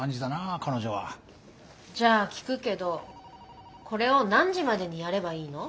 じゃあ聞くけどこれを何時までにやればいいの？